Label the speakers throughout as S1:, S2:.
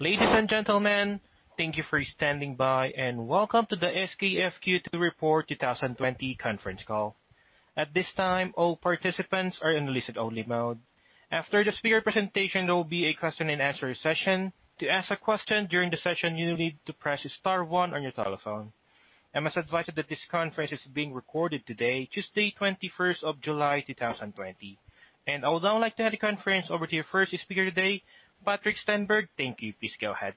S1: Ladies and gentlemen, thank you for standing by, and welcome to the SKF Q2 Report 2020 conference call. At this time, all participants are in listen only mode. After the speaker presentation, there will be a question and answer session. To ask a question during the session, you need to press star one on your telephone. I must advise you that this conference is being recorded today, Tuesday, 21st of July, 2020. I would now like to hand the conference over to your first speaker today, Patrik Stenberg. Thank you. Please go ahead.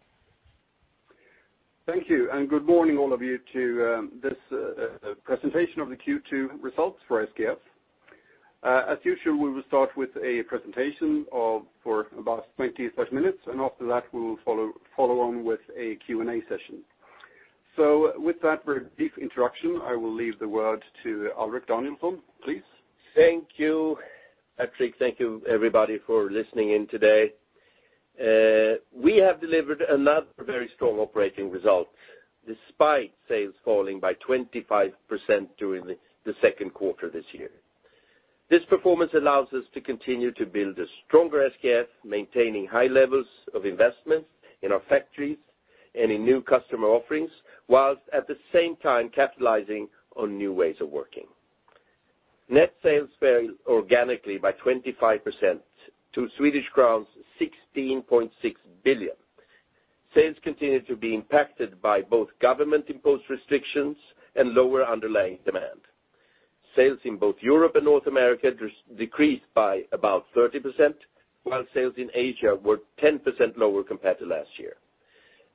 S2: Thank you, and good morning, all of you, to this presentation of the Q2 results for SKF. As usual, we will start with a presentation for about 20-ish minutes, and after that, we will follow on with a Q&A session. With that very brief introduction, I will leave the word to Alrik Danielson, please.
S3: Thank you, Patrik. Thank you everybody for listening in today. We have delivered another very strong operating result, despite sales falling by 25% during the second quarter this year. This performance allows us to continue to build a stronger SKF, maintaining high levels of investment in our factories and in new customer offerings, whilst at the same time capitalizing on new ways of working. Net sales fell organically by 25% to Swedish crowns 16.6 billion. Sales continue to be impacted by both government imposed restrictions and lower underlying demand. Sales in both Europe and North America decreased by about 30%, while sales in Asia were 10% lower compared to last year.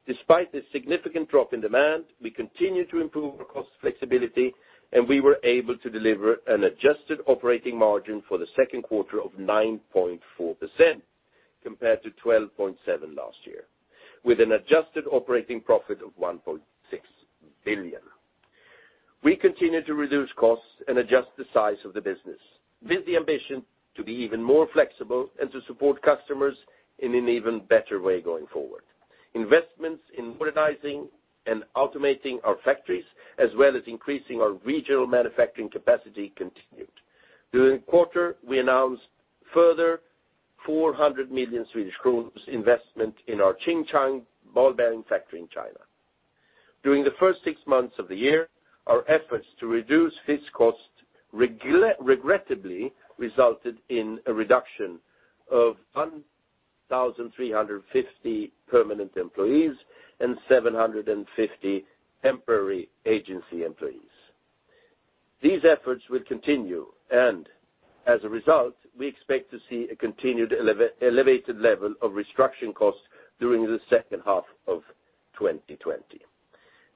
S3: Despite the significant drop in demand, we continued to improve our cost flexibility, and we were able to deliver an adjusted operating margin for the second quarter of 9.4% compared to 12.7% last year, with an adjusted operating profit of 1.6 billion. We continue to reduce costs and adjust the size of the business with the ambition to be even more flexible and to support customers in an even better way going forward. Investments in modernizing and automating our factories, as well as increasing our regional manufacturing capacity continued. During the quarter, we announced a further 400 million Swedish kronor investment in our Jingjiang ball bearing factory in China. During the first six months of the year, our efforts to reduce fixed cost regrettably resulted in a reduction of 1,350 permanent employees and 750 temporary agency employees. These efforts will continue, and as a result, we expect to see a continued elevated level of restructuring costs during the second half of 2020.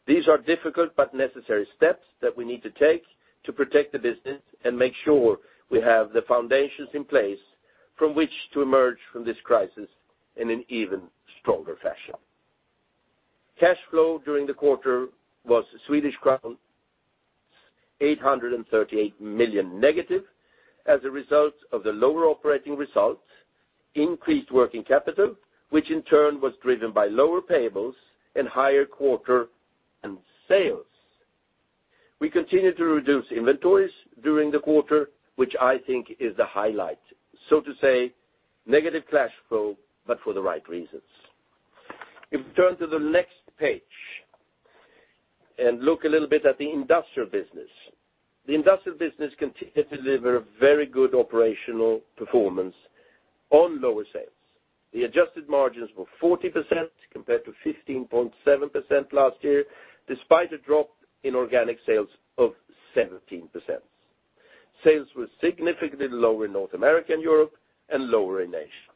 S3: These are difficult but necessary steps that we need to take to protect the business and make sure we have the foundations in place from which to emerge from this crisis in an even stronger fashion. Cash flow during the quarter was Swedish crown 838 million negative as a result of the lower operating results, increased working capital, which in turn was driven by lower payables and higher quarter-end sales. We continued to reduce inventories during the quarter, which I think is the highlight, so to say, negative cash flow, but for the right reasons. If we turn to the next page and look a little bit at the industrial business. The industrial business continued to deliver a very good operational performance on lower sales. The adjusted margins were 40% compared to 15.7% last year, despite a drop in organic sales of 17%. Sales were significantly lower in North America and Europe and lower in Asia.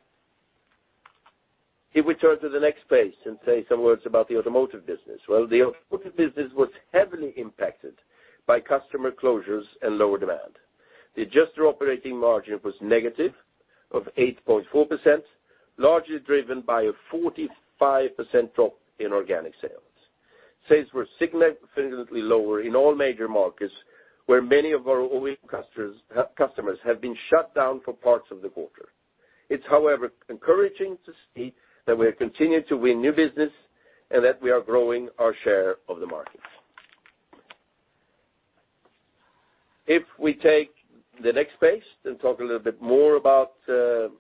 S3: We turn to the next page and say some words about the automotive business. Well, the automotive business was heavily impacted by customer closures and lower demand. The adjusted operating margin was negative of 8.4%, largely driven by a 45% drop in organic sales. Sales were significantly lower in all major markets, where many of our OE customers have been shut down for parts of the quarter. It's however, encouraging to see that we are continuing to win new business and that we are growing our share of the markets. We take the next page and talk a little bit more about the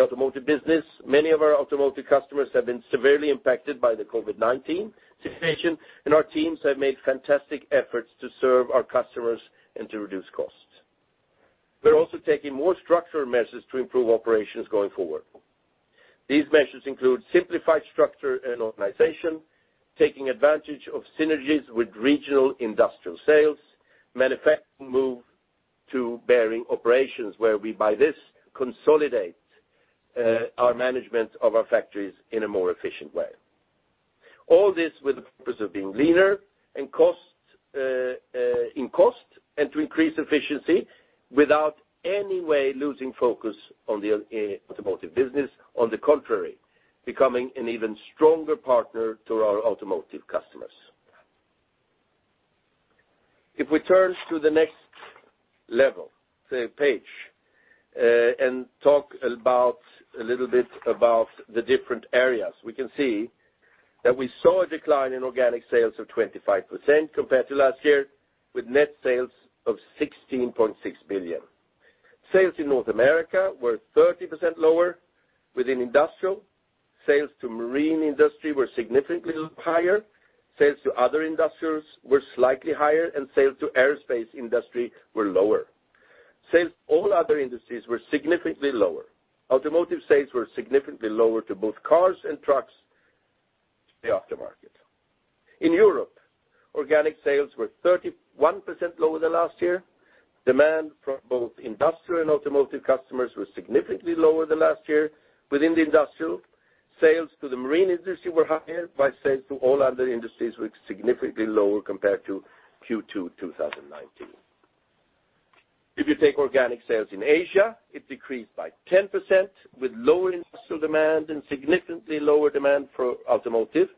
S3: automotive business. Many of our automotive customers have been severely impacted by the COVID-19 situation, and our teams have made fantastic efforts to serve our customers and to reduce costs. They're also taking more structural measures to improve operations going forward. These measures include simplified structure and organization, taking advantage of synergies with regional industrial sales, manufacturing move to bearing operations, where we by this consolidate our management of our factories in a more efficient way. All this with the purpose of being leaner in cost and to increase efficiency without any way losing focus on the automotive business, on the contrary, becoming an even stronger partner to our automotive customers. We turn to the next level, the page, and talk a little bit about the different areas. We can see that we saw a decline in organic sales of 25% compared to last year with net sales of 16.6 billion. Sales in North America were 30% lower within industrial. Sales to marine industry were significantly higher. Sales to other industrials were slightly higher, and sales to aerospace industry were lower. Sales to all other industries were significantly lower. Automotive sales were significantly lower to both cars and trucks in the aftermarket. In Europe, organic sales were 31% lower than last year. Demand for both industrial and automotive customers was significantly lower than last year. Within the industrial, sales to the marine industry were higher, while sales to all other industries were significantly lower compared to Q2 2019. If you take organic sales in Asia, it decreased by 10%, with lower industrial demand and significantly lower demand for automotive.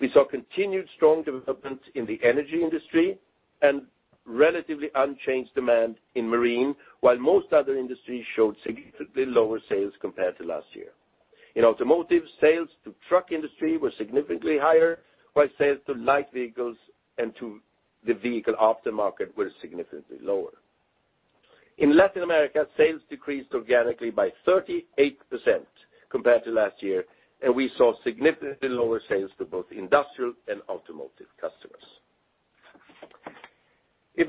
S3: We saw continued strong development in the energy industry and relatively unchanged demand in marine, while most other industries showed significantly lower sales compared to last year. In automotive, sales to truck industry were significantly higher, while sales to light vehicles and to the vehicle aftermarket were significantly lower. In Latin America, sales decreased organically by 38% compared to last year, and we saw significantly lower sales to both industrial and automotive customers.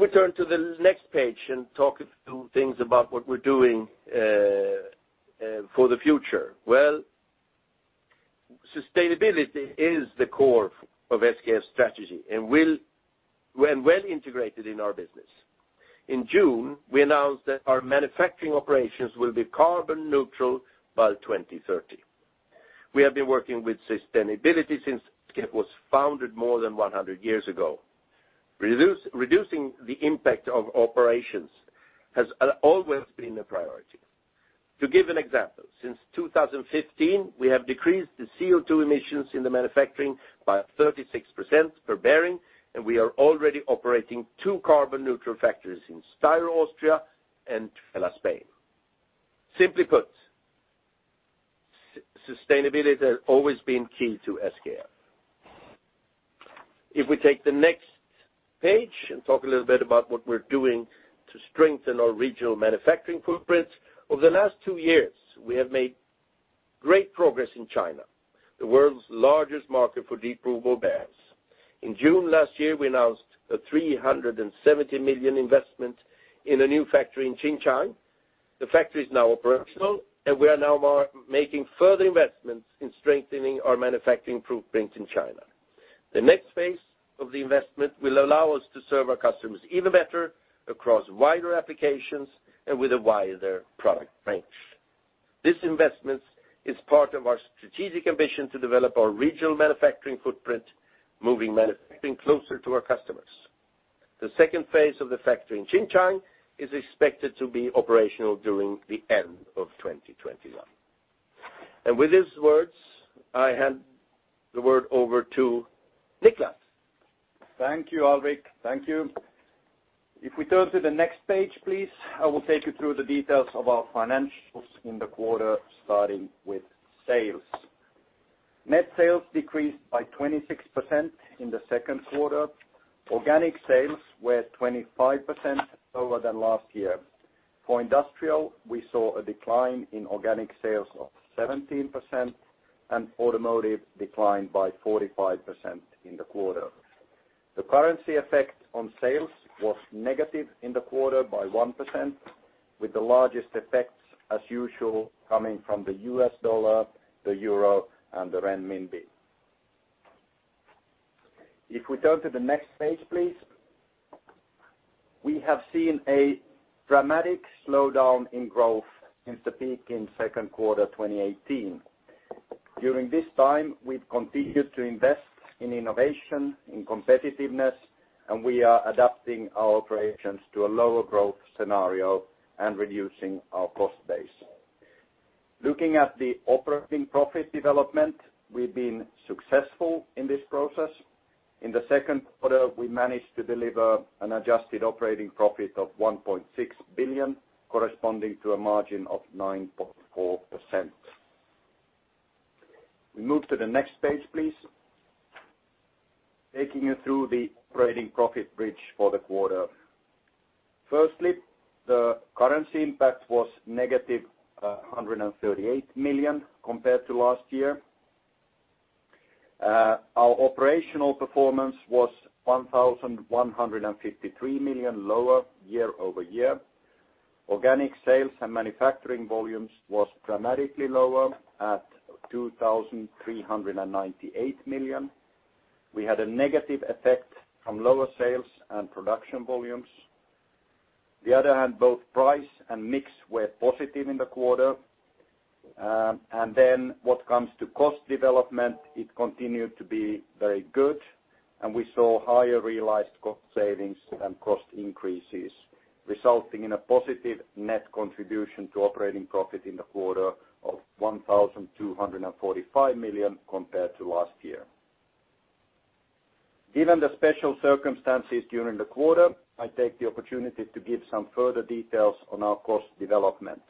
S3: If we turn to the next page and talk a few things about what we're doing for the future. Well, sustainability is the core of SKF's strategy and well integrated in our business. In June, we announced that our manufacturing operations will be carbon neutral by 2030. We have been working with sustainability since SKF was founded more than 100 years ago. Reducing the impact of operations has always been a priority. To give an example, since 2015, we have decreased the CO2 emissions in the manufacturing by 36% per bearing, and we are already operating two carbon neutral factories in Steyr, Austria and Tudela, Spain. Simply put, sustainability has always been key to SKF. If we take the next page and talk a little bit about what we're doing to strengthen our regional manufacturing footprint. Over the last two years, we have made great progress in China, the world's largest market for deep groove ball bearings. In June last year, we announced a 370 million investment in a new factory in Xinchang. The factory is now operational, and we are now making further investments in strengthening our manufacturing footprint in China. The next phase of the investment will allow us to serve our customers even better across wider applications and with a wider product range. This investment is part of our strategic ambition to develop our regional manufacturing footprint, moving manufacturing closer to our customers. The second phase of the factory in Xinchang is expected to be operational during the end of 2021. With these words, I hand the word over to Niclas.
S4: Thank you, Alrik. Thank you. If we turn to the next page, please, I will take you through the details of our financials in the quarter, starting with sales. Net sales decreased by 26% in the second quarter. Organic sales were 25% lower than last year. For industrial, we saw a decline in organic sales of 17%, and automotive declined by 45% in the quarter. The currency effect on sales was negative in the quarter by 1%, with the largest effects, as usual, coming from the US dollar, the euro, and the renminbi. If we turn to the next page, please. We have seen a dramatic slowdown in growth since the peak in second quarter 2018. During this time, we've continued to invest in innovation, in competitiveness, and we are adapting our operations to a lower growth scenario and reducing our cost base. Looking at the operating profit development, we've been successful in this process. In the second quarter, we managed to deliver an adjusted operating profit of 1.6 billion, corresponding to a margin of 9.4%. We move to the next page, please. Taking you through the operating profit bridge for the quarter. The currency impact was negative 138 million compared to last year. Our operational performance was 1,153 million lower year-over-year. Organic sales and manufacturing volumes was dramatically lower at 2,398 million. We had a negative effect from lower sales and production volumes. Both price and mix were positive in the quarter. What comes to cost development, it continued to be very good, and we saw higher realized cost savings and cost increases, resulting in a positive net contribution to operating profit in the quarter of 1,245 million compared to last year. Given the special circumstances during the quarter, I take the opportunity to give some further details on our cost development.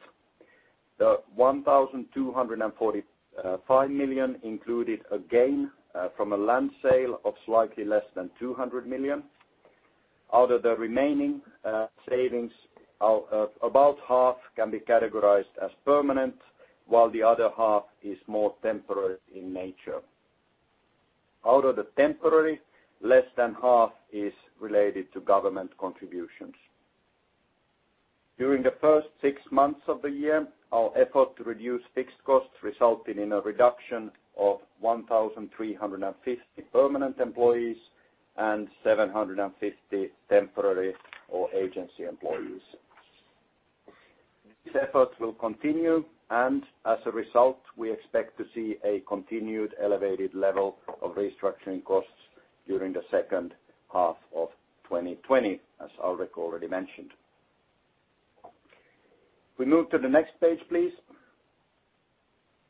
S4: The 1,245 million included a gain from a land sale of slightly less than 200 million. Out of the remaining savings, about half can be categorized as permanent, while the other half is more temporary in nature. Out of the temporary, less than half is related to government contributions. During the first six months of the year, our effort to reduce fixed costs resulted in a reduction of 1,350 permanent employees and 750 temporary or agency employees. This effort will continue, as a result, we expect to see a continued elevated level of restructuring costs during the second half of 2020, as Alrik already mentioned. We move to the next page, please.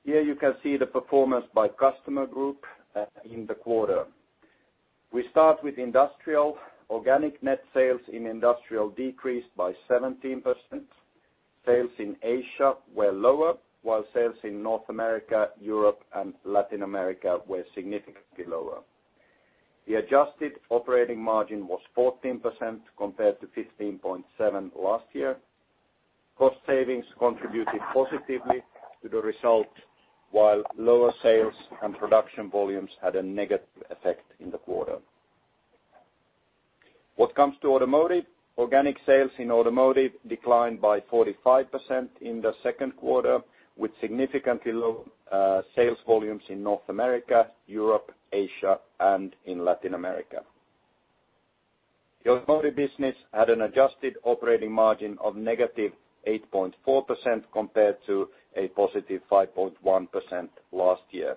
S4: Here you can see the performance by customer group in the quarter. We start with industrial. Organic net sales in industrial decreased by 17%. Sales in Asia were lower, while sales in North America, Europe, and Latin America were significantly lower. The adjusted operating margin was 14% compared to 15.7% last year. Cost savings contributed positively to the result, while lower sales and production volumes had a negative effect in the quarter. What comes to automotive, organic sales in automotive declined by 45% in the second quarter, with significantly low sales volumes in North America, Europe, Asia, and in Latin America. The automotive business had an adjusted operating margin of negative 8.4% compared to a positive 5.1% last year.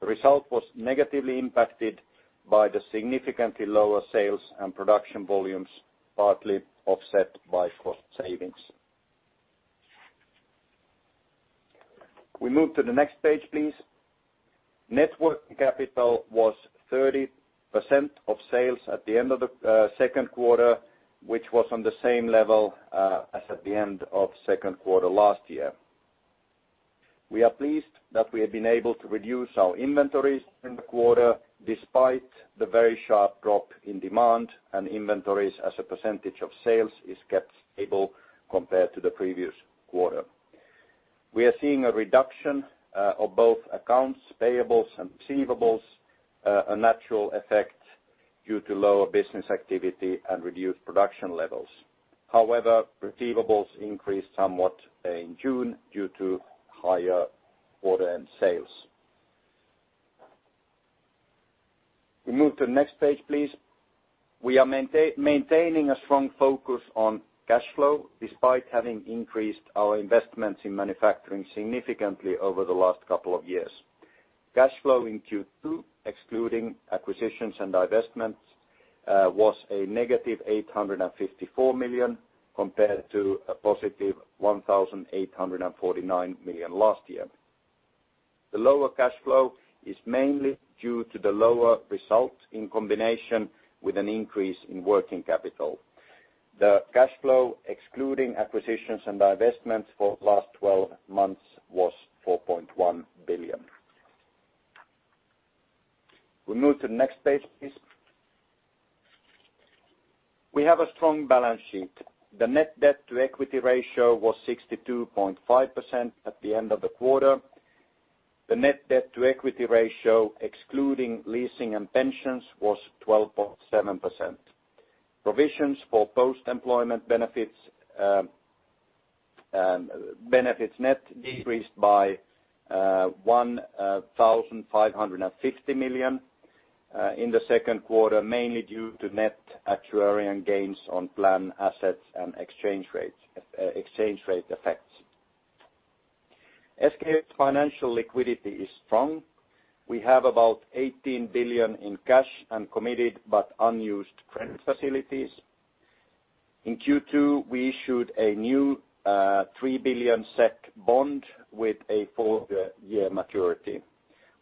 S4: The result was negatively impacted by the significantly lower sales and production volumes, partly offset by cost savings. We move to the next page, please. Net working capital was 30% of sales at the end of the second quarter, which was on the same level as at the end of second quarter last year. We are pleased that we have been able to reduce our inventories in the quarter despite the very sharp drop in demand, and inventories as a percentage of sales is stable compared to the previous quarter. We are seeing a reduction of both accounts payables and receivables, a natural effect due to lower business activity and reduced production levels. However, receivables increased somewhat in June due to higher order in sales. We move to the next page, please. We are maintaining a strong focus on cash flow despite having increased our investments in manufacturing significantly over the last couple of years. Cash flow in Q2, excluding acquisitions and divestments, was a negative 854 million compared to a positive 1,849 million last year. The lower cash flow is mainly due to the lower result in combination with an increase in working capital. The cash flow, excluding acquisitions and divestments for the last 12 months, was SEK 4.1 billion. We move to the next page, please. We have a strong balance sheet. The net debt-to-equity ratio was 62.5% at the end of the quarter. The net debt-to-equity ratio, excluding leasing and pensions, was 12.7%. Provisions for post-employment benefits net decreased by 1,550 million in the second quarter, mainly due to net actuarial gains on plan assets and exchange rate effects. SKF financial liquidity is strong. We have about 18 billion in cash and committed but unused credit facilities. In Q2, we issued a new 3 billion SEK SEK bond with a four-year maturity.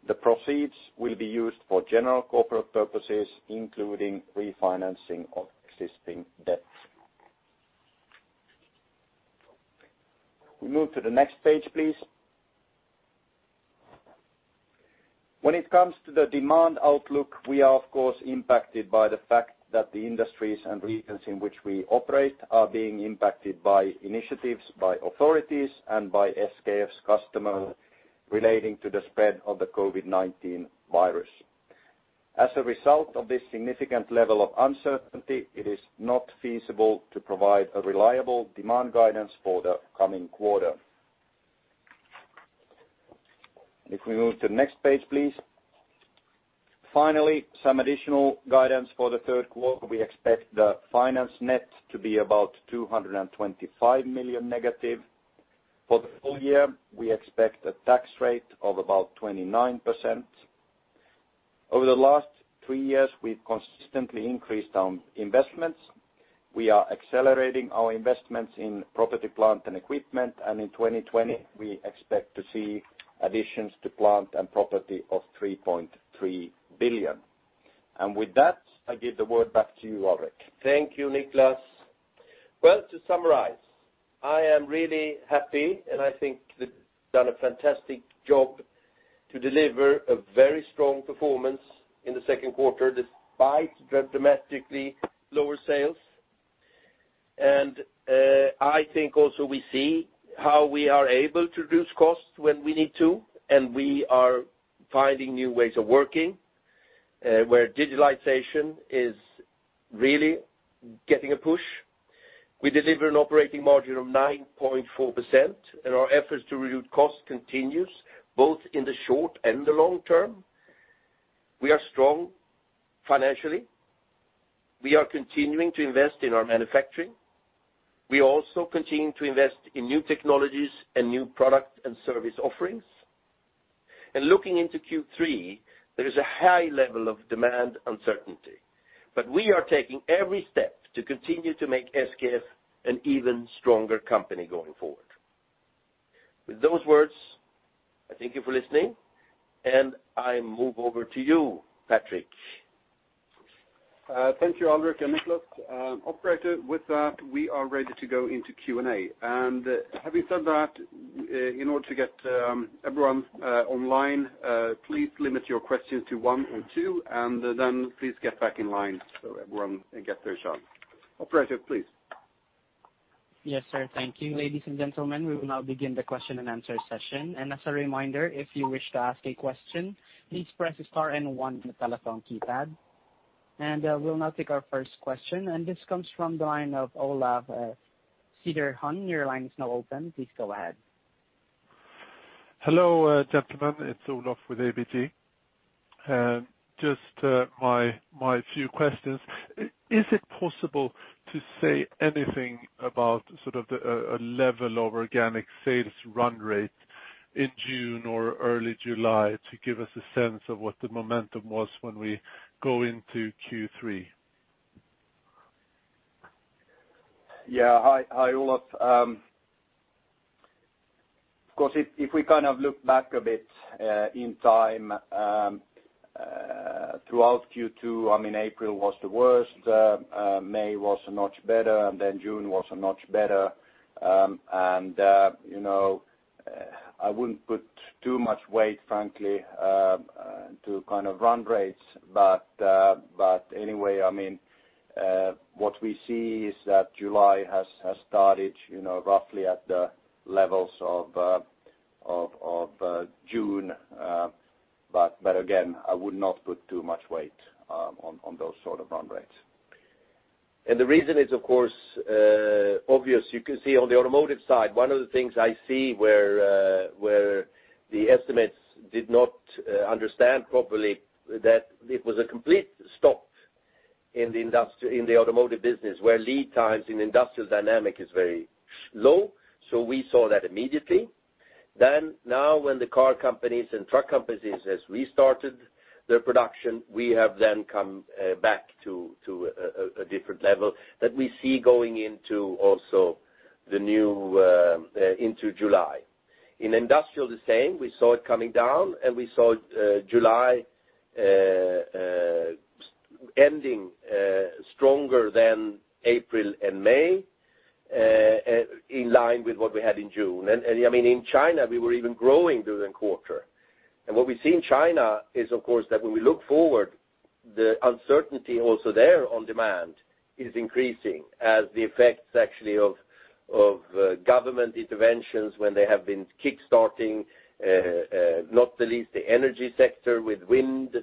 S4: The proceeds will be used for general corporate purposes, including refinancing of existing debts. We move to the next page, please. When it comes to the demand outlook, we are, of course, impacted by the fact that the industries and regions in which we operate are being impacted by initiatives, by authorities, and by SKF's customer relating to the spread of the COVID-19 virus. As a result of this significant level of uncertainty, it is not feasible to provide a reliable demand guidance for the coming quarter. If we move to the next page, please. Finally, some additional guidance for the third quarter. We expect the finance net to be about 225 million negative. For the full year, we expect a tax rate of about 29%. Over the last three years, we've consistently increased our investments. We are accelerating our investments in property, plant, and equipment, and in 2020, we expect to see additions to plant and property of 3.3 billion.
S2: With that, I give the word back to you, Alrik.
S3: Thank you, Niclas. Well, to summarize, I am really happy, and I think we've done a fantastic job to deliver a very strong performance in the second quarter, despite dramatically lower sales. I think also we see how we are able to reduce costs when we need to, and we are finding new ways of working, where digitalization is really getting a push. We deliver an operating margin of 9.4%, and our efforts to reduce cost continues both in the short and the long term. We are strong financially. We are continuing to invest in our manufacturing. We also continue to invest in new technologies and new product and service offerings. Looking into Q3, there is a high level of demand uncertainty, but we are taking every step to continue to make SKF an even stronger company going forward. With those words, I thank you for listening, and I move over to you, Patrik.
S2: Thank you, Alrik and Niclas. Operator, with that, we are ready to go into Q&A. Having said that, in order to get everyone online, please limit your questions to one or two, and then please get back in line so everyone can get their shot. Operator, please.
S1: Yes, sir. Thank you. Ladies and gentlemen, we will now begin the question and answer session. As a reminder, if you wish to ask a question, please press star and one on the telephone keypad. We'll now take our first question, and this comes from the line of Olof Cederholm. Your line is now open. Please go ahead.
S5: Hello, gentlemen. It's Olof with ABG. Just my few questions. Is it possible to say anything about sort of a level of organic sales run rate in June or early July to give us a sense of what the momentum was when we go into Q3?
S4: Hi, Olof. Of course, if we kind of look back a bit in time, throughout Q2, April was the worst, May was a notch better, then June was a notch better. I wouldn't put too much weight, frankly, to kind of run rates. Anyway, what we see is that July has started roughly at the levels of June. Again, I would not put too much weight on those sort of run rates. The reason is, of course, obvious. You can see on the automotive side, one of the things I see where the estimates did not understand properly that it was a complete stop in the automotive business, where lead times in industrial dynamic is very low. We saw that immediately. Now when the car companies and truck companies has restarted their production, we have then come back to a different level that we see going into also into July. In industrial, the same. We saw it coming down, and we saw July ending stronger than April and May, in line with what we had in June. In China, we were even growing during the quarter. What we see in China is, of course, that when we look forward, the uncertainty also there on demand is increasing as the effects actually of government interventions when they have been kickstarting, not the least, the energy sector with wind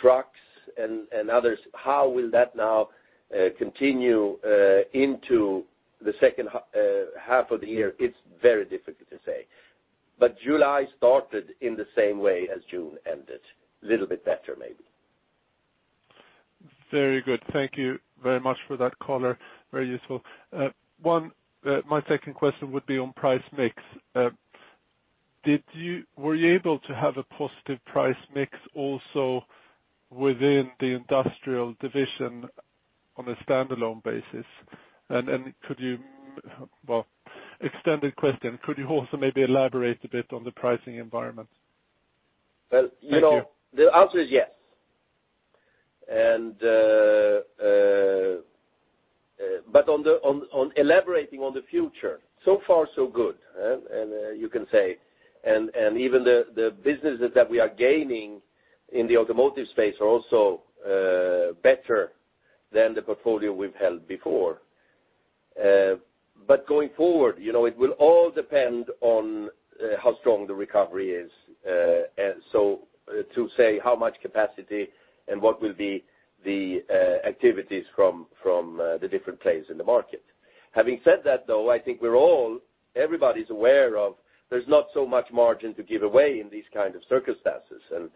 S4: trucks and others. How will that now continue into the second half of the year? It's very difficult to say. July started in the same way as June ended. A little bit better, maybe.
S5: Very good. Thank you very much for that color. Very useful. My second question would be on price mix. Were you able to have a positive price mix also within the industrial division on a standalone basis? Extended question, could you also maybe elaborate a bit on the pricing environment? Thank you.
S4: The answer is yes. On elaborating on the future, so far so good, you can say. Even the businesses that we are gaining in the automotive space are also better than the portfolio we've held before. Going forward, it will all depend on how strong the recovery is. To say how much capacity and what will be the activities from the different players in the market. Having said that, though, I think everybody's aware of there's not so much margin to give away in these kind of circumstances, and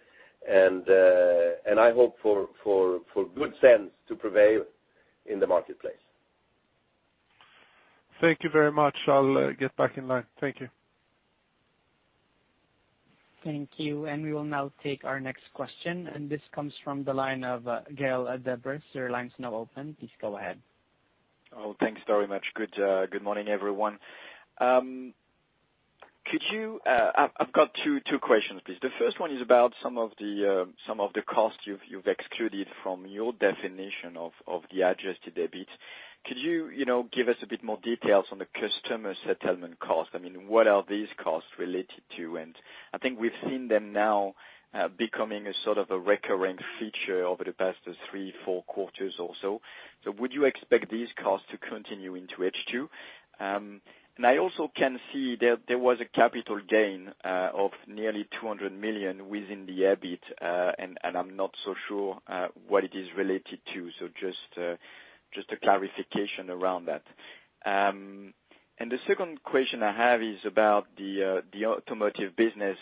S4: I hope for good sense to prevail in the marketplace.
S5: Thank you very much. I'll get back in line. Thank you.
S1: Thank you. We will now take our next question, and this comes from the line of Gael de-Bray. Your line's now open. Please go ahead.
S6: Oh, thanks very much. Good morning, everyone. I've got two questions, please. The first one is about some of the costs you've excluded from your definition of the adjusted EBIT. Could you give us a bit more details on the customer settlement cost? What are these costs related to? I think we've seen them now becoming a sort of a recurring feature over the past three, four quarters or so. Would you expect these costs to continue into H2? I also can see that there was a capital gain of nearly 200 million within the EBIT, and I'm not so sure what it is related to. Just a clarification around that. The second question I have is about the automotive business,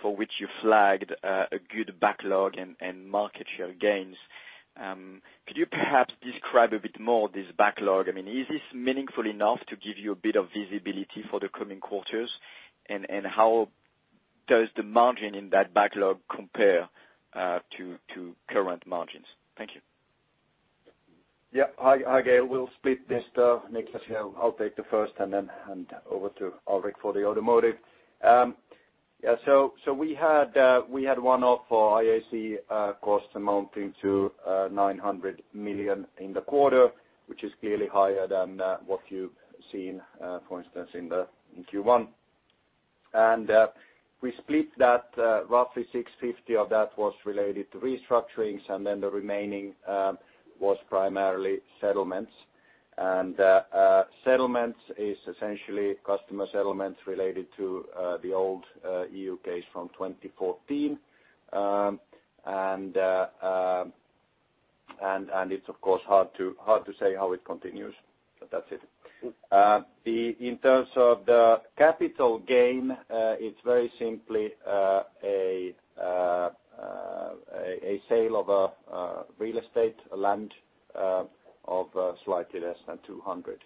S6: for which you flagged a good backlog and market share gains. Could you perhaps describe a bit more this backlog? Is this meaningful enough to give you a bit of visibility for the coming quarters? How does the margin in that backlog compare to current margins? Thank you.
S4: Yeah. Hi, Gael. We will split this. Niclas here, I will take the first and then hand over to Alrik for the automotive. We had one-off for IAC costs amounting to 900 million in the quarter, which is clearly higher than what you have seen, for instance, in Q1. We split that roughly 650 of that was related to restructurings, and then the remaining was primarily settlements. Settlements is essentially customer settlements related to the old EU case from 2014. It is of course hard to say how it continues. That is it. In terms of the capital gain, it is very simply a sale of a real estate land of slightly less than 200.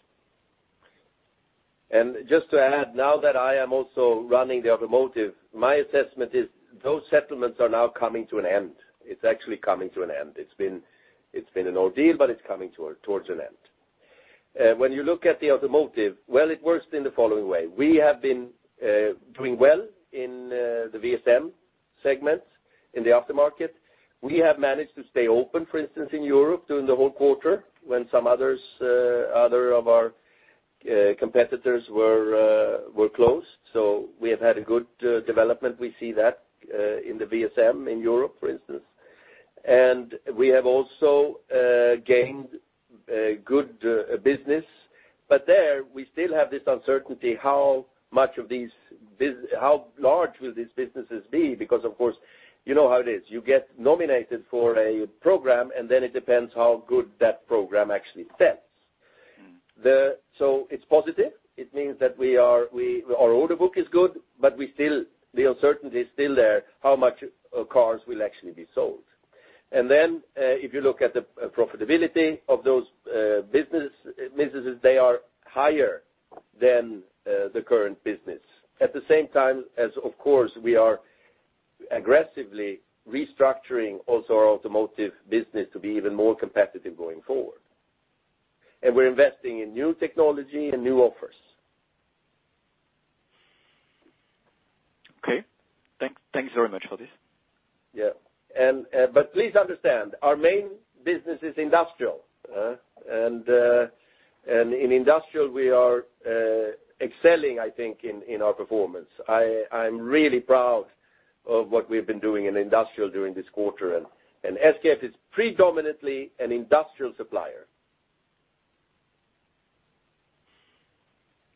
S3: Just to add, now that I am also running the automotive, my assessment is those settlements are now coming to an end. It's actually coming to an end. It's been an ordeal, but it's coming towards an end. When you look at the automotive, well, it works in the following way. We have been doing well in the VSM segment, in the aftermarket. We have managed to stay open, for instance, in Europe during the whole quarter when some other of our competitors were closed. We have had a good development. We see that in the VSM in Europe, for instance. We have also gained good business. There, we still have this uncertainty, how large will these businesses be? Because of course, you know how it is. You get nominated for a program and then it depends how good that program actually sells. It's positive. It means that our order book is good, but the uncertainty is still there, how much cars will actually be sold. If you look at the profitability of those businesses, they are higher than the current business. At the same time as, of course, we are aggressively restructuring also our automotive business to be even more competitive going forward. We're investing in new technology and new offers.
S6: Okay. Thanks very much for this.
S3: Yeah. Please understand, our main business is industrial. In industrial, we are excelling, I think, in our performance. I'm really proud of what we've been doing in industrial during this quarter, and SKF is predominantly an industrial supplier.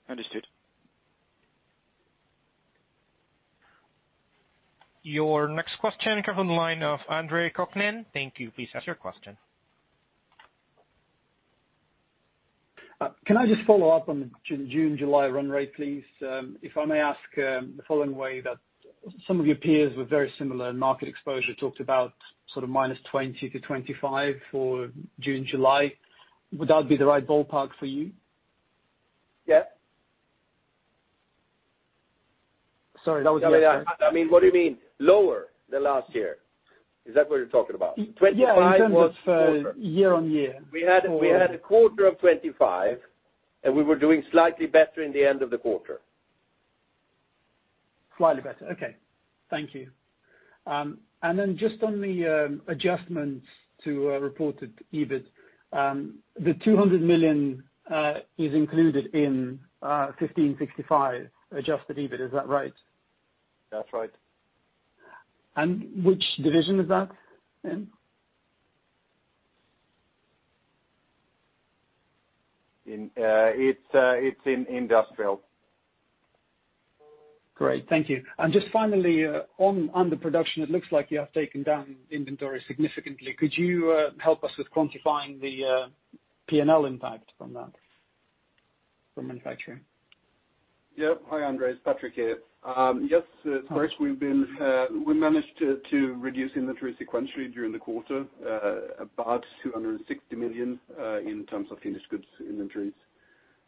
S6: Understood.
S1: Your next question comes on the line of Andreas Koski. Thank you. Please ask your question.
S7: Can I just follow up on the June, July run rate, please? If I may ask the following way that some of your peers with very similar market exposure talked about sort of -20% to -25% for June, July. Would that be the right ballpark for you?
S3: Yeah.
S7: Sorry, that was-
S3: I mean, what do you mean? Lower than last year? Is that what you're talking about? 25 was-
S7: Yeah, in terms of year-on-year.
S3: We had a quarter of 25, and we were doing slightly better in the end of the quarter.
S7: Slightly better. Okay. Thank you. Just on the adjustments to reported EBIT. The 200 million is included in 1,565 adjusted EBIT. Is that right?
S3: That's right.
S7: Which division is that in?
S3: It's in industrial.
S7: Great. Thank you. Just finally, on the production, it looks like you have taken down inventory significantly. Could you help us with quantifying the P&L impact from that? From manufacturing.
S2: Hi, Andre. It's Patrik here. Of course, we managed to reduce inventory sequentially during the quarter, about 260 million in terms of finished goods inventories,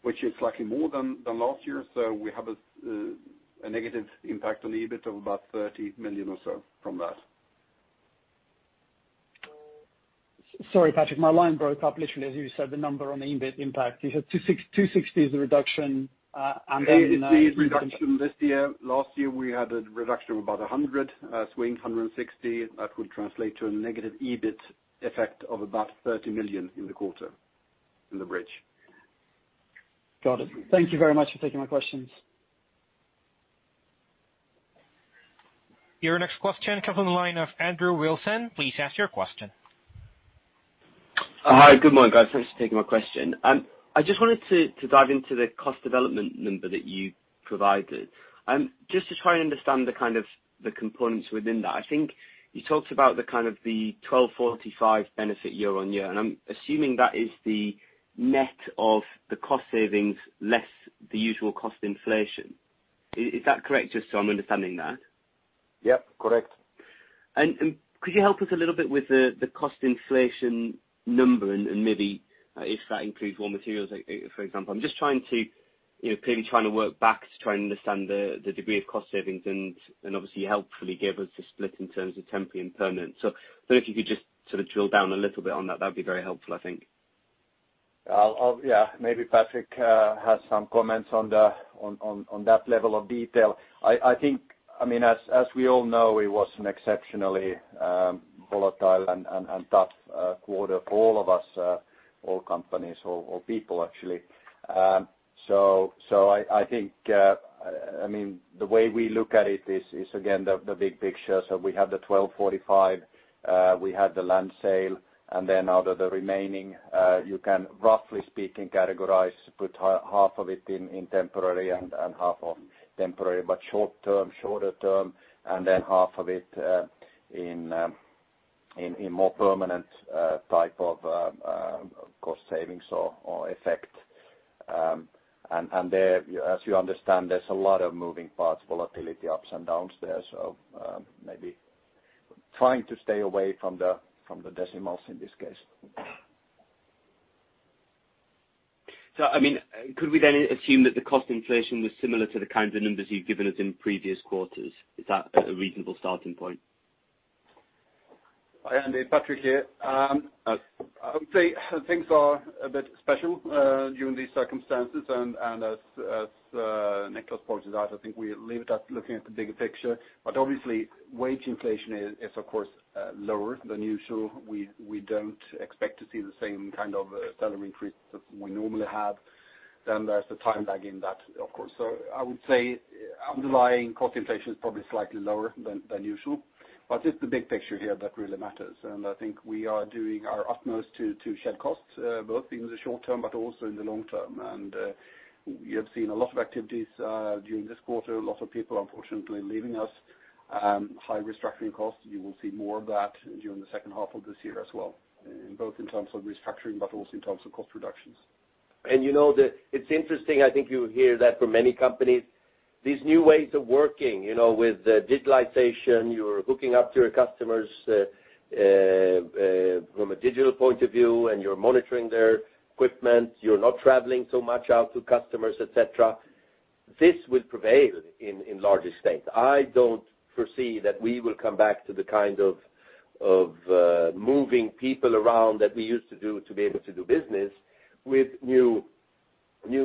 S2: which is slightly more than last year. We have a negative impact on the EBIT of about 30 million or so from that.
S7: Sorry, Patrik, my line broke up literally as you said the number on the EBIT impact. You said 260 is the reduction.
S4: It is the reduction this year. Last year, we had a reduction of about 100, swing 160. That would translate to a negative EBIT effect of about 30 million in the quarter, in the bridge.
S7: Got it. Thank you very much for taking my questions.
S1: Your next question comes on the line of Andrew Wilson. Please ask your question.
S8: Hi. Good morning, guys. Thanks for taking my question. I just wanted to dive into the cost development number that you provided. Just to try and understand the components within that. I think you talked about the 1,245 benefit year-on-year, and I'm assuming that is the net of the cost savings less the usual cost inflation. Is that correct? Just so I'm understanding that.
S4: Yep, correct.
S8: Could you help us a little bit with the cost inflation number and maybe if that includes raw materials, for example? I'm just clearly trying to work back to try and understand the degree of cost savings, and obviously, you helpfully gave us a split in terms of temporary and permanent. If you could just sort of drill down a little bit on that'd be very helpful, I think.
S4: Maybe Patrik has some comments on that level of detail. As we all know, it was an exceptionally volatile and tough quarter for all of us, all companies, all people, actually. I think the way we look at it is, again, the big picture. We have the 1,245, we have the land sale, and then out of the remaining, you can roughly speak and categorize, put half of it in temporary, but shorter term, and then half of it in more permanent type of cost savings or effect. There, as you understand, there's a lot of moving parts, volatility, ups and downs there. Maybe trying to stay away from the decimals in this case.
S8: Could we then assume that the cost inflation was similar to the kinds of numbers you've given us in previous quarters? Is that a reasonable starting point?
S2: Hi, Andy. Patrik here. I would say things are a bit special during these circumstances, and as Niclas pointed out, I think we leave that looking at the bigger picture. Obviously, wage inflation is, of course, lower than usual. We don't expect to see the same kind of salary increase that we normally have. There's the time lag in that, of course. I would say underlying cost inflation is probably slightly lower than usual, but it's the big picture here that really matters. I think we are doing our utmost to shed costs, both in the short term but also in the long term. You have seen a lot of activities during this quarter, a lot of people, unfortunately, leaving us. High restructuring costs.
S4: You will see more of that during the second half of this year as well, both in terms of restructuring, but also in terms of cost reductions.
S3: You know that it's interesting, I think you hear that from many companies. These new ways of working with digitalization, you're hooking up to your customers from a digital point of view, and you're monitoring their equipment. You're not traveling so much out to customers, et cetera. This will prevail in larger states. I don't foresee that we will come back to the kind of moving people around that we used to do to be able to do business with new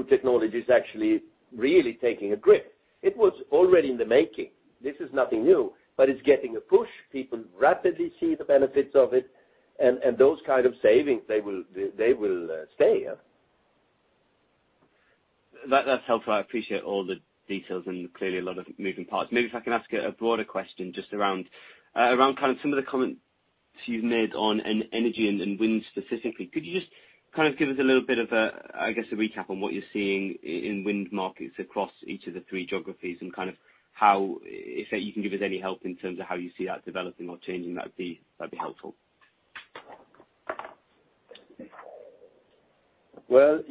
S3: technologies actually really taking a grip. It was already in the making. This is nothing new, but it's getting a push. People rapidly see the benefits of it, and those kind of savings, they will stay.
S8: That's helpful. I appreciate all the details and clearly a lot of moving parts. Maybe if I can ask a broader question just around some of the comments you've made on energy and wind specifically. Could you just give us a little bit of, I guess, a recap on what you're seeing in wind markets across each of the three geographies and if you can give us any help in terms of how you see that developing or changing, that would be helpful.
S3: Well,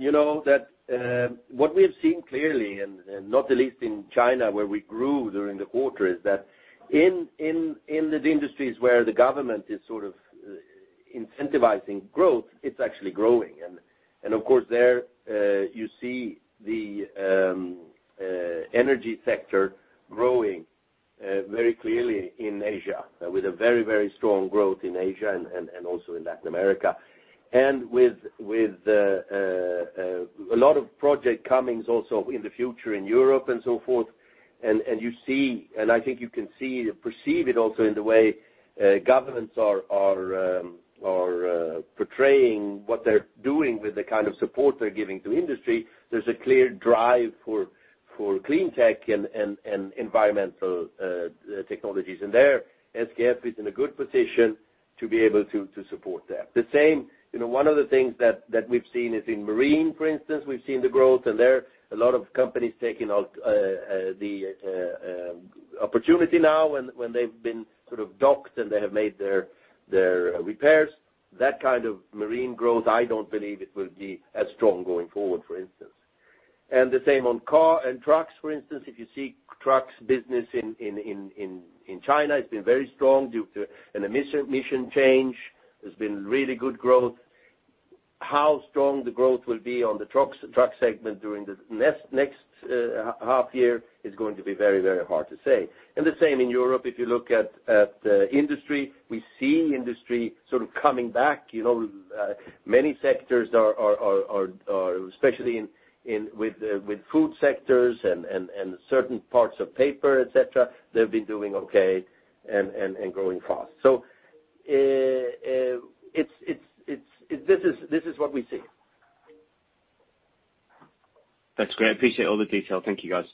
S3: what we have seen clearly, and not the least in China where we grew during the quarter, is that in the industries where the government is sort of incentivizing growth, it's actually growing. Of course there you see the energy sector growing very clearly in Asia with a very, very strong growth in Asia and also in Latin America. With a lot of project comings also in the future in Europe and so forth. I think you can perceive it also in the way governments are portraying what they're doing with the kind of support they're giving to industry. There's a clear drive for clean tech and environmental technologies. There, SKF is in a good position to be able to support that. One of the things that we've seen is in marine, for instance.
S4: We've seen the growth and there, a lot of companies taking the opportunity now when they've been docked and they have made their repairs. That kind of marine growth, I don't believe it will be as strong going forward, for instance. The same on car and trucks, for instance. If you see trucks business in China, it's been very strong due to an emission change. There's been really good growth. How strong the growth will be on the truck segment during the next half year is going to be very hard to say. The same in Europe, if you look at industry, we see industry sort of coming back. Many sectors are, especially with food sectors and certain parts of paper, et cetera, they've been doing okay and growing fast. This is what we see.
S8: That's great. I appreciate all the detail. Thank you, guys.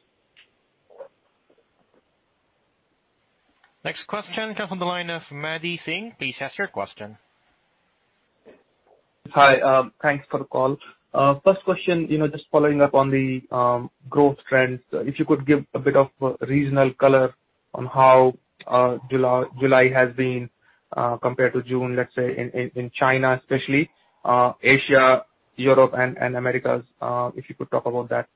S1: Next question comes on the line of Madhav Singh. Please ask your question.
S9: Hi. Thanks for the call. First question, just following up on the growth trends, if you could give a bit of regional color on how July has been compared to June, let's say, in China especially, Asia, Europe, and Americas. If you could talk about that.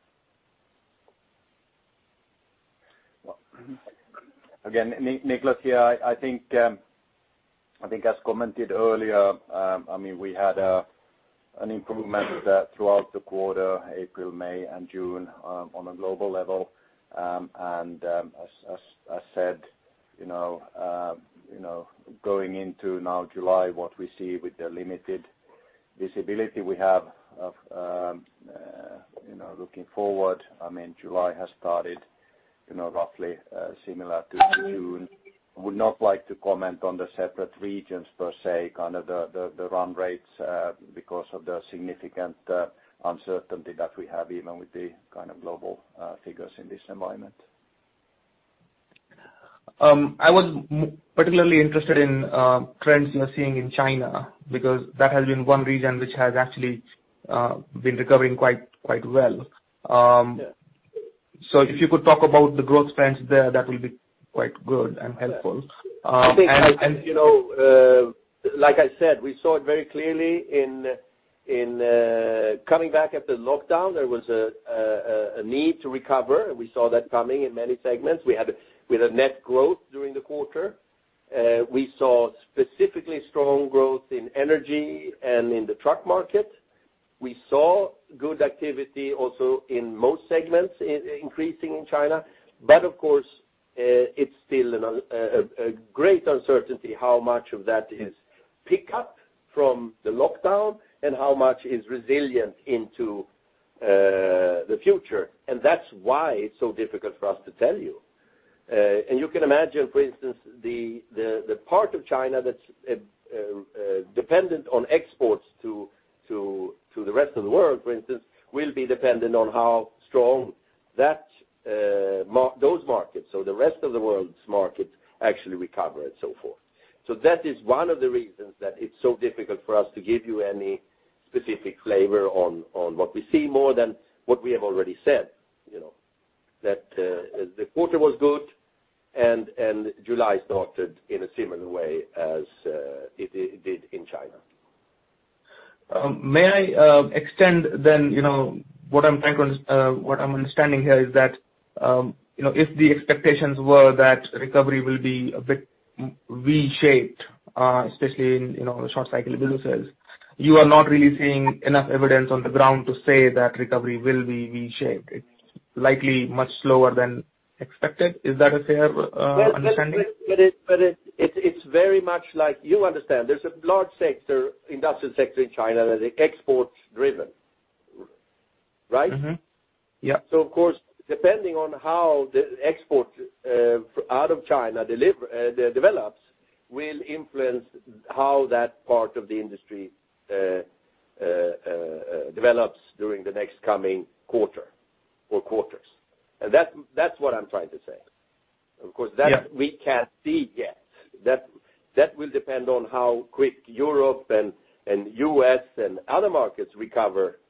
S4: Again, Niclas here. I think as commented earlier, we had an improvement throughout the quarter, April, May, and June, on a global level. As I said, going into now July, what we see with the limited visibility we have of looking forward, July has started roughly similar to June. Would not like to comment on the separate regions per se, kind of the run rates, because of the significant uncertainty that we have even with the kind of global figures in this environment.
S9: I was particularly interested in trends you're seeing in China, because that has been one region which has actually been recovering quite well.
S4: Yeah.
S9: If you could talk about the growth trends there, that will be quite good and helpful.
S3: I think, like I said, we saw it very clearly in coming back after lockdown, there was a need to recover, and we saw that coming in many segments. We had a net growth during the quarter. We saw specifically strong growth in energy and in the truck market. We saw good activity also in most segments increasing in China. Of course, it's still a great uncertainty how much of that is pickup from the lockdown and how much is resilient into the future. That's why it's so difficult for us to tell you. You can imagine, for instance, the part of China that's dependent on exports to the rest of the world, for instance, will be dependent on how strong those markets or the rest of the world's market actually recover and so forth. That is one of the reasons that it's so difficult for us to give you any specific flavor on what we see more than what we have already said. That the quarter was good and July started in a similar way as it did in China.
S9: May I extend, what I'm understanding here is that if the expectations were that recovery will be a bit V-shaped, especially in the short cycle businesses, you are not really seeing enough evidence on the ground to say that recovery will be V-shaped. It's likely much slower than expected. Is that a fair understanding?
S4: It's very much like you understand, there's a large sector, industrial sector in China that is export driven, right?
S9: Mm-hmm. Yeah.
S3: Of course, depending on how the export out of China develops, will influence how that part of the industry develops during the next coming quarter or quarters. That's what I'm trying to say. Yeah we can't see yet. That will depend on how quick Europe and U.S. and other markets recover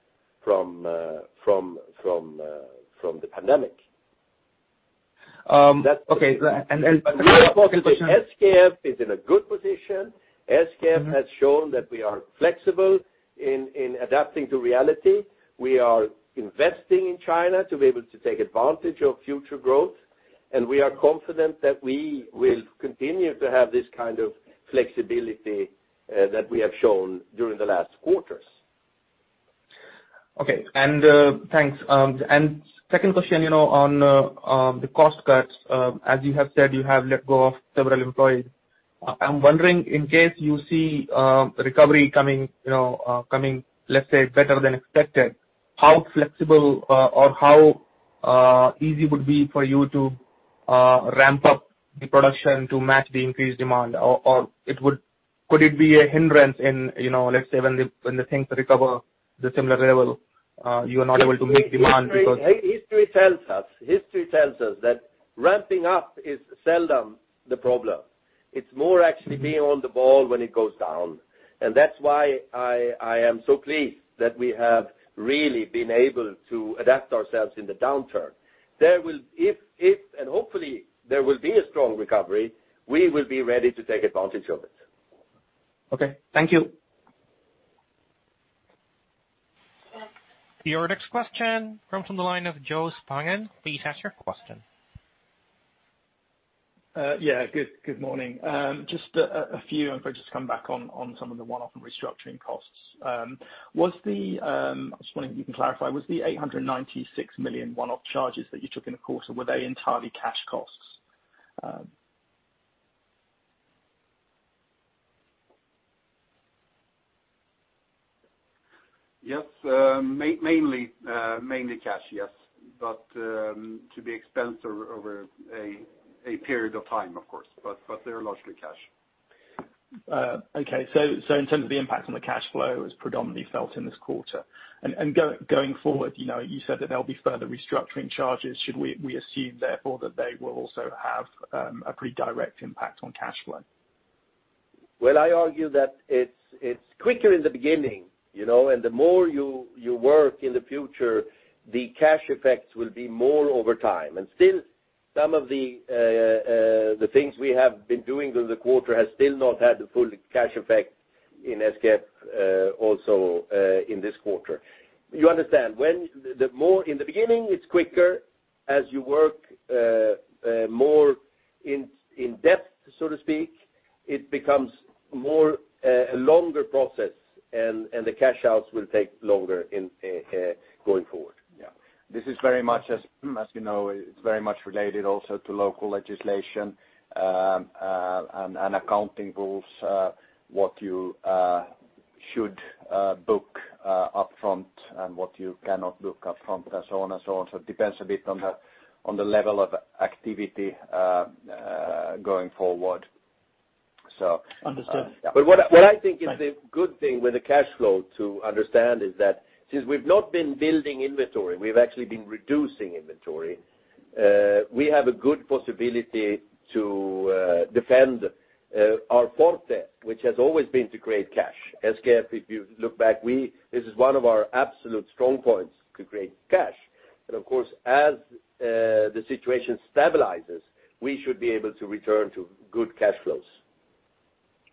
S3: from the pandemic.
S9: Okay. Second question.
S3: The important thing, SKF is in a good position. SKF has shown that we are flexible in adapting to reality. We are investing in China to be able to take advantage of future growth, and we are confident that we will continue to have this kind of flexibility that we have shown during the last quarters.
S9: Okay. Thanks. Second question, on the cost cuts. As you have said, you have let go of several employees. I'm wondering, in case you see recovery coming, let's say, better than expected, how flexible or how easy it would be for you to ramp up the production to match the increased demand? Could it be a hindrance in, let's say, when the things recover the similar level, you are not able to meet demand?
S4: History tells us that ramping up is seldom the problem. It's more actually being on the ball when it goes down. That's why I am so pleased that we have really been able to adapt ourselves in the downturn. If and hopefully there will be a strong recovery, we will be ready to take advantage of it.
S9: Okay. Thank you.
S1: Your next question comes from the line of Joel Spungin. Please ask your question.
S10: Good morning. Just a few and if I just come back on some of the one-off and restructuring costs. I was wondering if you can clarify, was the 896 million one-off charges that you took in the quarter, were they entirely cash costs?
S4: Yes. Mainly cash, yes. To be expensed over a period of time, of course. They're largely cash.
S10: Okay. In terms of the impact on the cash flow, it was predominantly felt in this quarter. Going forward, you said that there'll be further restructuring charges. Should we assume therefore that they will also have a pretty direct impact on cash flow?
S3: Well, I argue that it's quicker in the beginning, and the more you work in the future, the cash effects will be more over time. Still, some of the things we have been doing during the quarter has still not had the full cash effect in SKF also in this quarter. You understand, in the beginning, it's quicker. As you work more in depth, so to speak, it becomes a longer process and the cash outs will take longer going forward.
S4: Yeah. This is, as you know, it's very much related also to local legislation and accounting rules, what you should book upfront and what you cannot book upfront and so on. It depends a bit on the level of activity going forward.
S10: Understood.
S3: What I think is the good thing with the cash flow to understand is that since we've not been building inventory, we've actually been reducing inventory, we have a good possibility to defend our forte, which has always been to create cash. SKF, if you look back, this is one of our absolute strong points, to create cash. Of course, as the situation stabilizes, we should be able to return to good cash flows.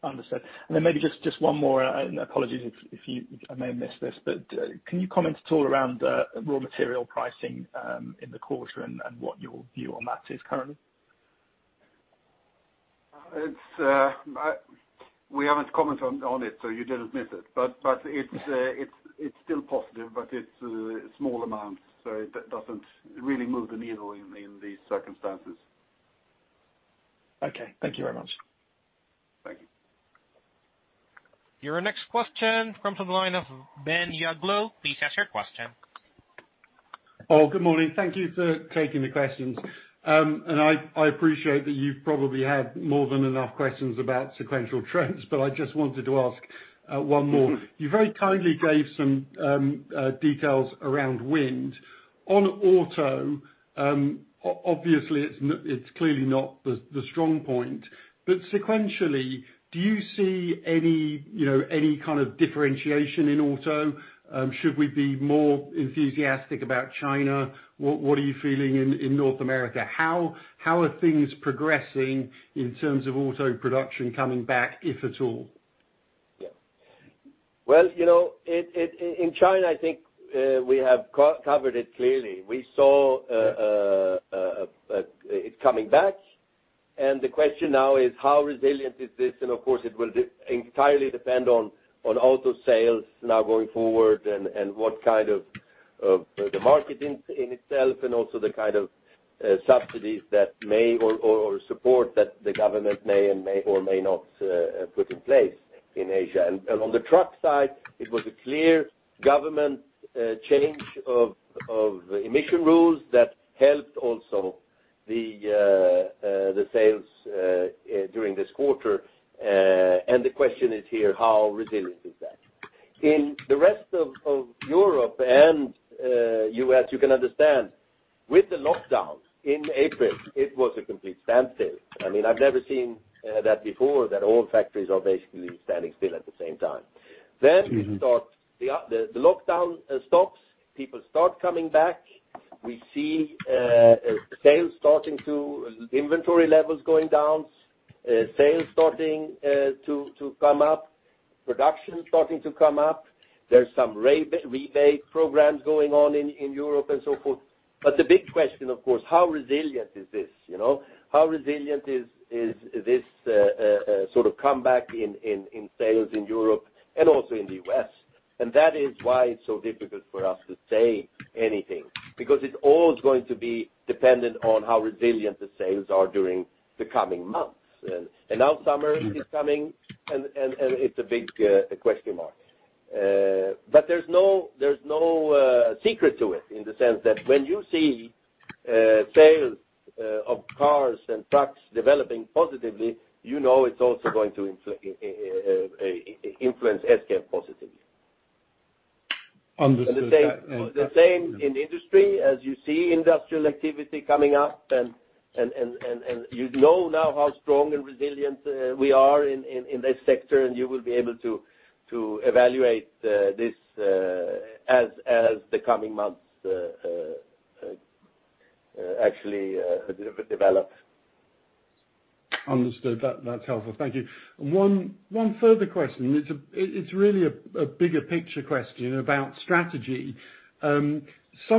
S10: Understood. Then maybe just one more, and apologies if I may have missed this, but can you comment at all around raw material pricing in the quarter and what your view on that is currently?
S3: We haven't commented on it, so you didn't miss it. It's still positive, but it's small amounts, so it doesn't really move the needle in these circumstances.
S10: Okay. Thank you very much.
S3: Thank you.
S1: Your next question comes from the line of Ben Uglow. Please ask your question.
S11: Oh, good morning. Thank you for taking the questions. I appreciate that you've probably had more than enough questions about sequential trends, but I just wanted to ask one more. You very kindly gave some details around wind. On auto, obviously it's clearly not the strong point, but sequentially, do you see any kind of differentiation in auto? Should we be more enthusiastic about China? What are you feeling in North America? How are things progressing in terms of auto production coming back, if at all?
S3: Yeah. Well, in China, I think we have covered it clearly. We saw it coming back. The question now is how resilient is this? Of course, it will entirely depend on auto sales now going forward and what kind of the market in itself and also the kind of subsidies that may or support that the government may or may not put in place in Asia. On the truck side, it was a clear government change of emission rules that helped also the sales during this quarter. The question is here, how resilient is that? In the rest of Europe and U.S., you can understand, with the lockdowns in April, it was a complete standstill. I've never seen that before, that all factories are basically standing still at the same time. We start the lockdown stops, people start coming back. We see inventory levels going down, sales starting to come up, production starting to come up. There's some rebate programs going on in Europe and so forth. The big question, of course, how resilient is this? How resilient is this sort of comeback in sales in Europe and also in the U.S.? That is why it's so difficult for us to say anything, because it's all going to be dependent on how resilient the sales are during the coming months. Now summer is coming and it's a big question mark. There's no secret to it in the sense that when you see sales of cars and trucks developing positively, you know it's also going to influence SKF positively.
S11: Understood.
S3: The same in industry. As you see industrial activity coming up and you know now how strong and resilient we are in this sector, and you will be able to evaluate this as the coming months actually develop.
S11: Understood. That's helpful. Thank you. One further question. It's really a bigger picture question about strategy. Some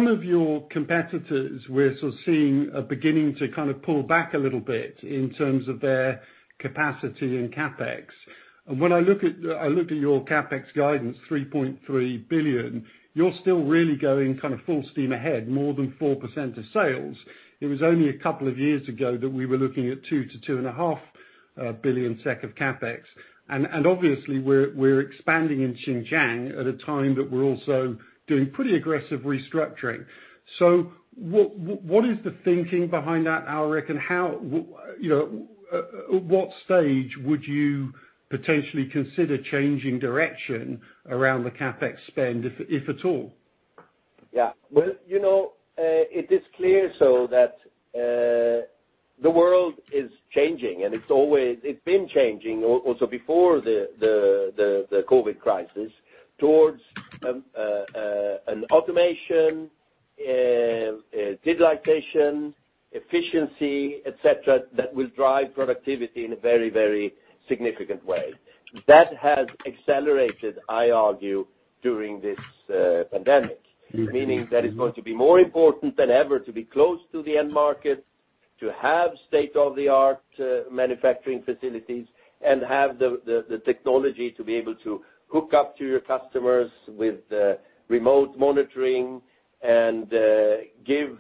S11: of your competitors we're sort of seeing are beginning to pull back a little bit in terms of their capacity and CapEx. When I look at your CapEx guidance, 3.3 billion, you're still really going full steam ahead, more than 4% of sales. It was only a couple of years ago that we were looking at 2 billion-2.5 billion SEK of CapEx. Obviously, we're expanding in Xinchang at a time that we're also doing pretty aggressive restructuring. What is the thinking behind that, Alrik? At what stage would you potentially consider changing direction around the CapEx spend, if at all?
S3: Yeah. Well, it is clear that the world is changing and it's been changing also before the COVID crisis, towards an automation, digitization, efficiency, et cetera, that will drive productivity in a very significant way. That has accelerated, I argue, during this pandemic. Meaning that it's going to be more important than ever to be close to the end market, to have state-of-the-art manufacturing facilities, and have the technology to be able to hook up to your customers with remote monitoring and give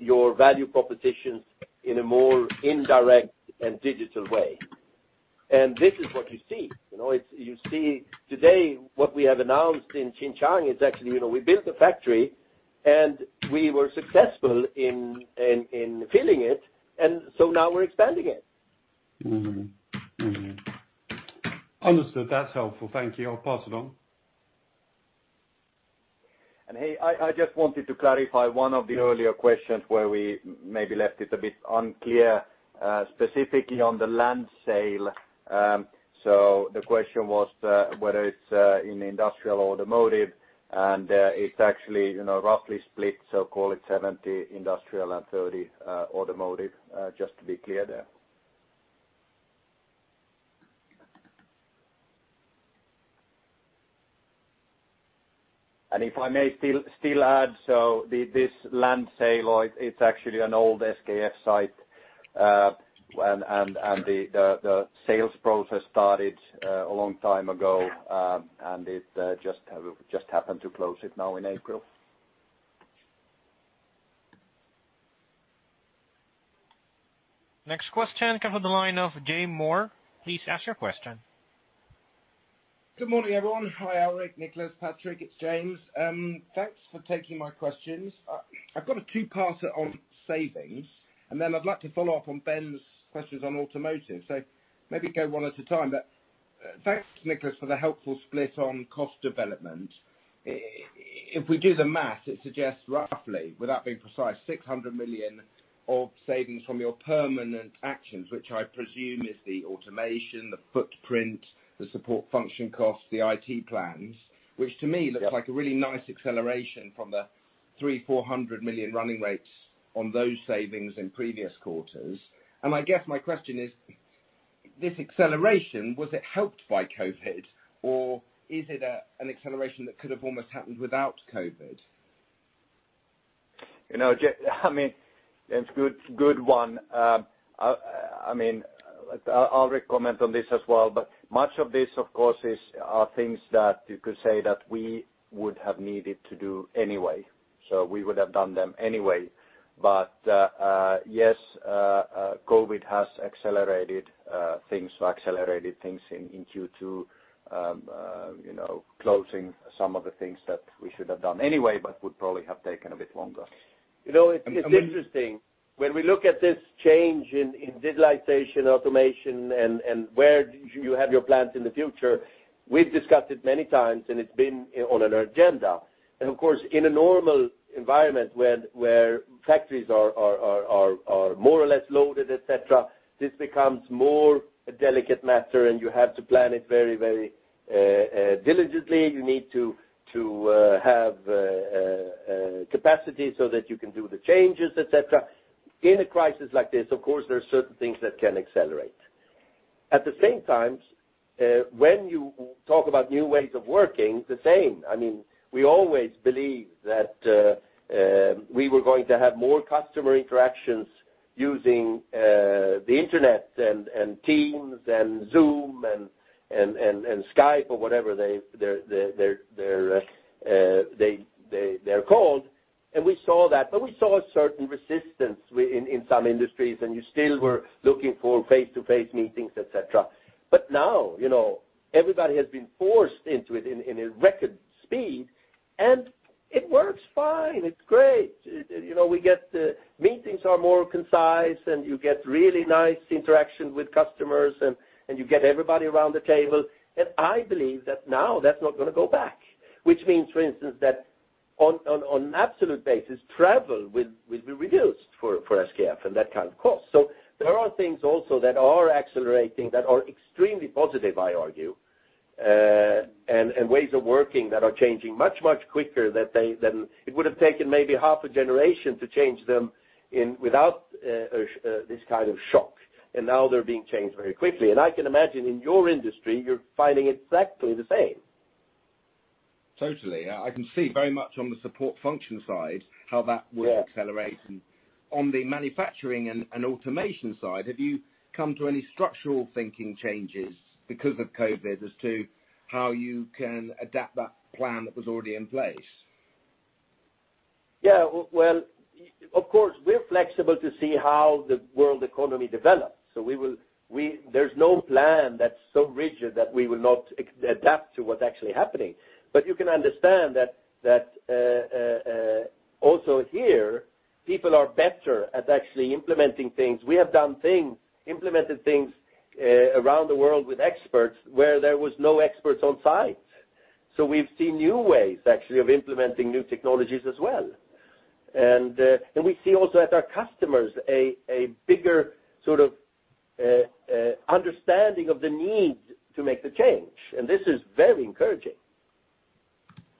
S3: your value propositions in a more indirect and digital way. This is what you see. You see today what we have announced in Xinchang is actually, we built a factory, and we were successful in filling it. Now we're expanding it.
S11: Mm-hmm. Understood. That's helpful. Thank you. I'll pass it on.
S4: Hey, I just wanted to clarify one of the earlier questions where we maybe left it a bit unclear, specifically on the land sale. The question was whether it's in industrial or automotive, and it's actually roughly split, call it 70 industrial and 30 automotive, just to be clear there. If I may still add, this land sale, it's actually an old SKF site, and the sales process started a long time ago, and it just happened to close it now in April.
S1: Next question comes from the line of James Moore. Please ask your question.
S12: Good morning, everyone. Hi, Alrik, Niclas, Patrik, it's James. Thanks for taking my questions. I've got a two-parter on savings, then I'd like to follow up on Ben's questions on automotive. Maybe go one at a time. Thanks, Niclas, for the helpful split on cost development. If we do the math, it suggests roughly, without being precise, 600 million of savings from your permanent actions, which I presume is the automation, the footprint, the support function costs, the IT plans. Which to me looks like a really nice acceleration from the 300 million, 400 million running rates on those savings in previous quarters. I guess my question is, this acceleration, was it helped by COVID, or is it an acceleration that could have almost happened without COVID?
S4: It's a good one. I'll recommend on this as well, much of this, of course, are things that you could say that we would have needed to do anyway, so we would have done them anyway. Yes, COVID has accelerated things in Q2, closing some of the things that we should have done anyway, but would probably have taken a bit longer.
S3: It's interesting. When we look at this change in digitization, automation, and where you have your plants in the future, we've discussed it many times, and it's been on an agenda. And of course, in a normal environment where factories are more or less loaded, et cetera, this becomes more a delicate matter and you have to plan it very diligently. You need to have capacity so that you can do the changes, et cetera. In a crisis like this, of course, there are certain things that can accelerate. At the same time, when you talk about new ways of working, the same. We always believe that we were going to have more customer interactions using the internet and Teams and Zoom and Skype or whatever they're called. We saw that, but we saw a certain resistance in some industries, and you still were looking for face-to-face meetings, et cetera. Now, everybody has been forced into it in a record speed, and it works fine. It's great. Meetings are more concise, and you get really nice interaction with customers, and you get everybody around the table. I believe that now that's not going to go back. Which means, for instance, that on an absolute basis, travel will be reduced for SKF and that kind of cost. There are things also that are accelerating that are extremely positive, I argue. Ways of working that are changing much, much quicker than it would've taken maybe half a generation to change them without this kind of shock. Now they're being changed very quickly. I can imagine in your industry, you're finding exactly the same.
S12: Totally. I can see very much on the support function side how that will accelerate.
S3: Yeah.
S12: On the manufacturing and automation side, have you come to any structural thinking changes because of COVID-19 as to how you can adapt that plan that was already in place?
S3: Yeah. Of course, we are flexible to see how the world economy develops. There's no plan that's so rigid that we will not adapt to what's actually happening. You can understand that also here, people are better at actually implementing things. We have implemented things around the world with experts where there was no experts on site. We've seen new ways, actually, of implementing new technologies as well. We see also at our customers, a bigger sort of understanding of the need to make the change. This is very encouraging.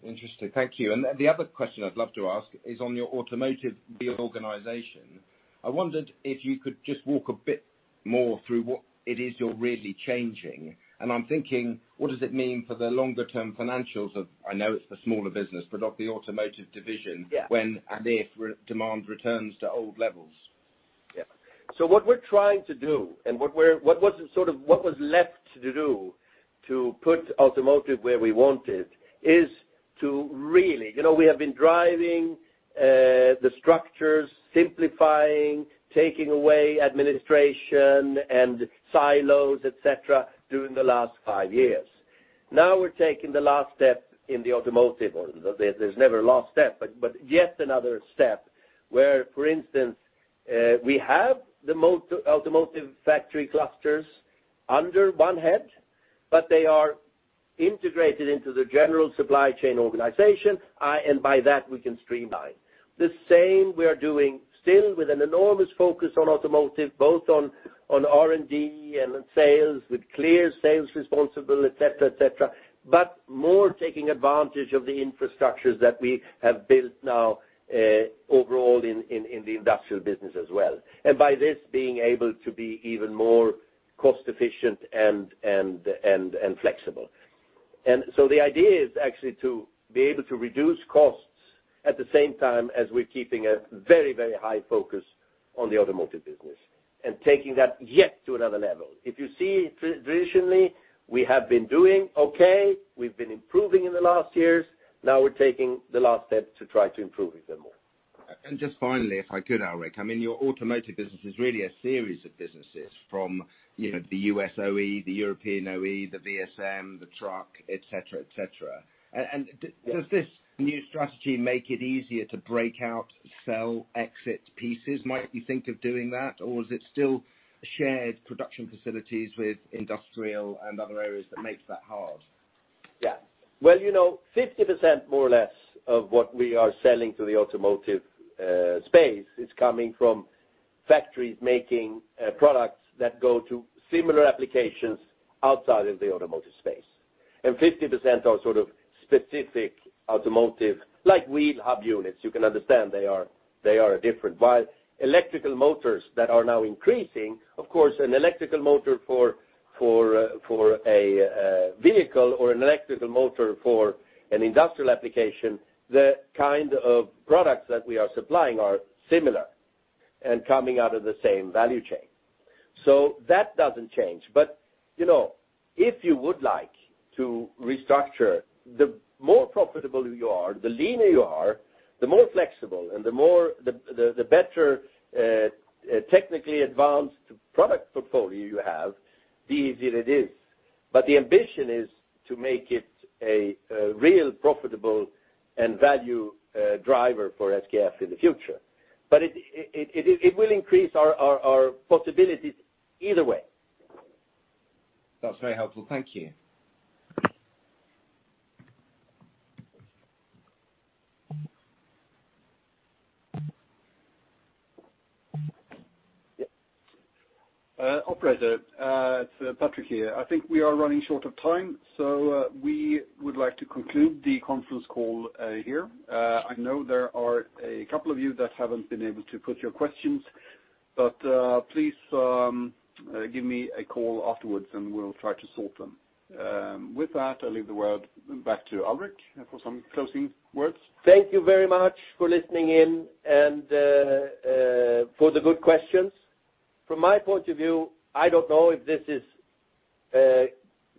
S12: Interesting. Thank you. The other question I'd love to ask is on your automotive reorganization. I wondered if you could just walk a bit more through what it is you're really changing, and I'm thinking, what does it mean for the longer-term financials of, I know it's a smaller business, but of the automotive division?
S3: Yeah
S12: when and if demand returns to old levels?
S3: Yeah. What we're trying to do, and what was left to do to put automotive where we want it, we have been driving the structures, simplifying, taking away administration and silos, et cetera, during the last 5 years. Now we're taking the last step in the automotive. There's never a last step, but yet another step where, for instance, we have the automotive factory clusters under one head, but they are integrated into the general supply chain organization. By that, we can streamline. The same we are doing still with an enormous focus on automotive, both on R&D and on sales, with clear sales responsible, et cetera. More taking advantage of the infrastructures that we have built now overall in the industrial business as well. By this, being able to be even more cost-efficient and flexible. The idea is actually to be able to reduce costs at the same time as we're keeping a very high focus on the automotive business, and taking that yet to another level. If you see, traditionally, we have been doing okay. We've been improving in the last years. Now we're taking the last step to try to improve even more.
S12: Just finally, if I could, Alrik, your automotive business is really a series of businesses from the U.S. OE, the European OE, the VSM, the truck, et cetera.
S3: Yeah.
S12: Does this new strategy make it easier to break out, sell, exit pieces? Might you think of doing that, or is it still shared production facilities with industrial and other areas that makes that hard?
S3: Yeah. 50%, more or less, of what we are selling to the automotive space is coming from factories making products that go to similar applications outside of the automotive space. 50% are sort of specific automotive, like wheel hub units. You can understand they are different. While electrical motors that are now increasing, of course, an electrical motor for a vehicle or an electrical motor for an industrial application, the kind of products that we are supplying are similar and coming out of the same value chain. That doesn't change. If you would like to restructure, the more profitable you are, the leaner you are, the more flexible and the better technically advanced product portfolio you have, the easier it is. The ambition is to make it a real profitable and value driver for SKF in the future. It will increase our possibilities either way.
S12: That's very helpful. Thank you.
S3: Yeah.
S2: Operator, it's Patrik here. I think we are running short of time. We would like to conclude the conference call here. I know there are a couple of you that haven't been able to put your questions, but please give me a call afterwards and we'll try to sort them. With that, I leave the word back to Alrik for some closing words.
S3: Thank you very much for listening in and for the good questions. From my point of view, I don't know if this is,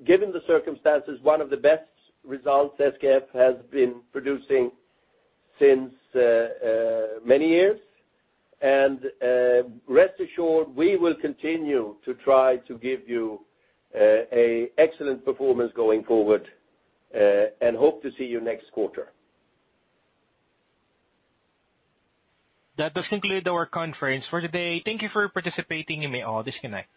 S3: given the circumstances, one of the best results SKF has been producing since many years. Rest assured, we will continue to try to give you a excellent performance going forward, and hope to see you next quarter.
S1: That does conclude our conference for today. Thank you for participating. You may all disconnect.